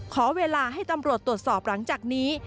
ขอเวลาให้ตำรวจตรวจสอบหลังจากนี้